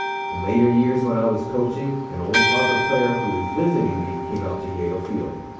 In later years when I was coaching, an old Harvard player who was visiting me, came out to Yale Field.